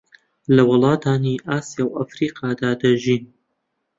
لە وڵاتانی ئاسیا و ئەفریقادا دەژین